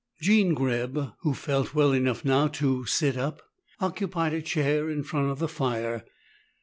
Jean Greb, who felt well enough to sit up by now, occupied a chair in front of the fire.